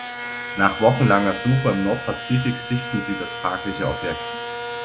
Nach wochenlanger Suche im Nordpazifik sichten sie das fragliche Objekt.